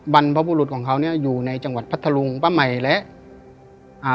บรรพบุรุษของเขาเนี้ยอยู่ในจังหวัดพัทธรุงป้าใหม่และอ่า